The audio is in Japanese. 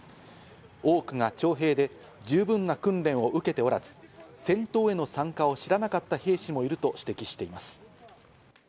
多くが徴兵で十分な訓練を受けておらず、戦闘への参加を知らなかった兵士もいると指摘しています。